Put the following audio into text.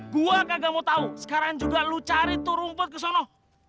gua kagak mau tau sekarang juga lu cari tuh rumput kesono